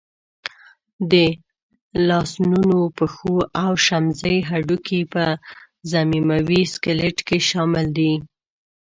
د لاسنونو، پښو او شمزۍ هډوکي په ضمیموي سکلېټ کې شامل دي.